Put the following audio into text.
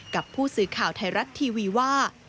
กับผู้สื่อข่าวไทยรัฐทีวีว่า